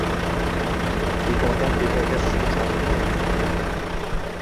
bekordan-bekorga sizni chalg‘itmaydi.